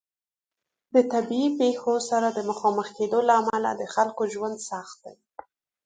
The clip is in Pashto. د طبیعي پیښو سره د مخامخ کیدو له امله د خلکو ژوند سخت دی.